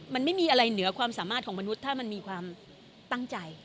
มันไม่มีอะไรเหนือความสามารถของมนุษย์ถ้ามันมีความตั้งใจ